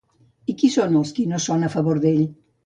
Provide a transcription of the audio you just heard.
I qui són els que no són a favor d'ell?